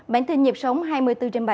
bản tin nhịp sống hai mươi bốn trên bảy